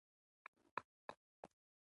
د کور دننه د ښځې حقونه باید رعایت شي.